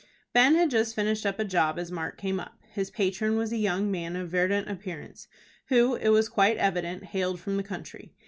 Ben had just finished up a job as Mark came up. His patron was a young man of verdant appearance, who, it was quite evident, hailed from the country.